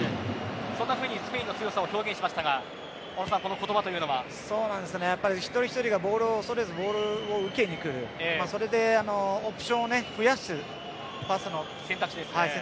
そんなふうにスペインの強さを表現しましたが一人一人がボールを恐れずボールを受けに来るそれでオプションを増やすパスの選択肢ですね。